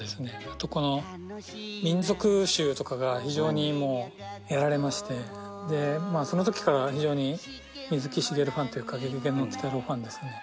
あとこの民俗臭とかが非常にやられましてでそのときから非常に水木しげるファンというか『ゲゲゲの鬼太郎』ファンですね。